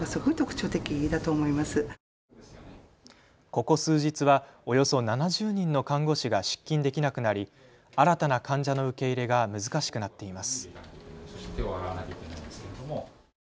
ここ数日は、およそ７０人の看護師が出勤できなくなり新たな患者の受け入れが難しくなっています。